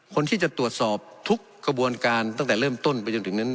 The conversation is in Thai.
คนที่จะตรวจสอบทุกกระบวนการตั้งแต่เริ่มต้นไปจนถึงนั้น